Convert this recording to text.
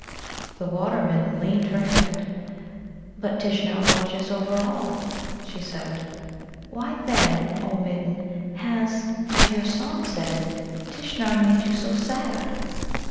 The Water midden leaned her head. "But Tishnar watches over all," she said. "Why, then, O Midden, has, as your song said, Tishnar made you so sad?"